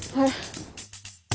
はい。